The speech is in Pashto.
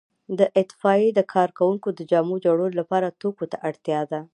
د اطفائیې د کارکوونکو د جامو جوړولو لپاره توکو ته اړتیا ده.